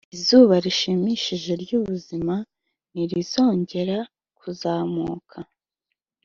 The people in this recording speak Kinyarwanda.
izuba rishimishije ry'ubuzima ntirizongera kuzamuka: